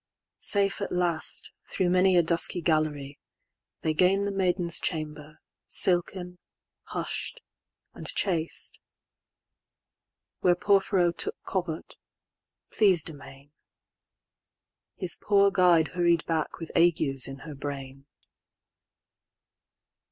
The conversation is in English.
Safe at last, Through many a dusky gallery, they gainThe maiden's chamber, silken, hush'd, and chaste; Where Porphyro took covert, pleas'd amain. His poor guide hurried back with agues in her brain.